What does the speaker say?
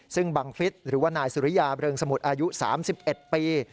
ซึ่งบังฟิศหรือว่านายสุริยาเริงสมุทรอายุ๓๑ปี